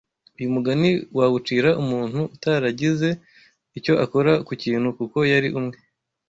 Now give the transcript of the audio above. Uyu mugani wawucira umuntu utaragize icyo akora ku kintu kuko yari umwe